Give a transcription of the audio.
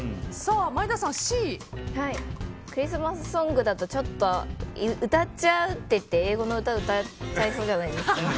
クリスマスソングだと歌っちゃうっていって英語の歌を歌っちゃいそうじゃないですか。